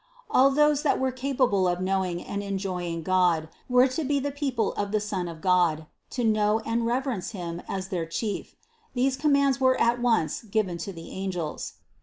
All those that were capable of know ing and enjoying God, were to be the people of the Son of God, to know and reverence Him as their Chief. These commands were at once given to the angels.